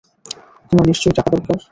তোমার নিশ্চয়ই টাকা দরকার।